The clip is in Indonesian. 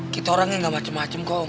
kita orangnya gak macem macem kok om